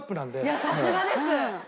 いやさすがです。